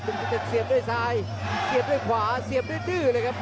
สมเด็จเสียบด้วยซ้ายเสียบด้วยขวาเสียบด้วยดื้อเลยครับ